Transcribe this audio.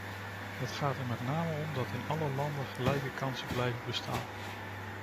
Het gaat er met name om dat in alle landen gelijke kansen blijven bestaan.